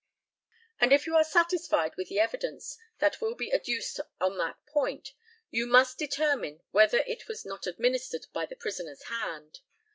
And if you are satisfied with the evidence that will be adduced on that point, you must then determine whether it was not administered by the prisoner's hand.